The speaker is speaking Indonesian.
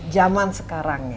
zaman sekarang ya